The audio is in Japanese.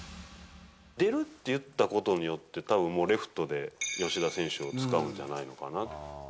出るって言ったことによって、たぶん、もうレフトで吉田選手を使うんじゃないのかな。